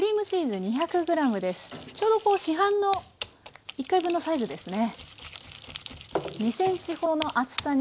ちょうど市販の１回分のサイズですね。